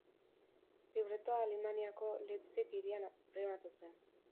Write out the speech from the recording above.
Libretoa Alemaniako Leipzig hirian inprimatu zen.